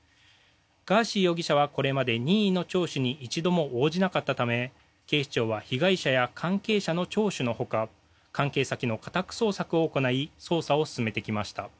ガーシー容疑者はこれまで任意の聴取に一度も応じなかったため警視庁は被害者や関係者の聴取のほか関係先の家宅捜索を行い捜査を進めてきました。